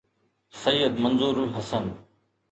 Syed Manzoor ul Hassan